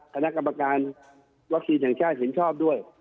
คณะกรรมการวัคซีนแห่งชาติเห็นชอบด้วย